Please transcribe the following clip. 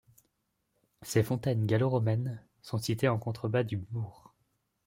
Ces fontaines gallo-romaines sont situées en contrebas du bourg.